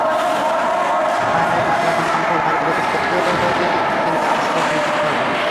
পায়ায় লাগানো মাংস ভালো করে সেদ্ধ হয়ে গেলে আঁচ কমিয়ে দিতে হবে।